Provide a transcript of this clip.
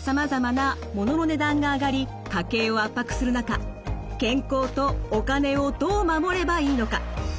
さまざまな物の値段が上がり家計を圧迫する中健康とお金をどう守ればいいのか。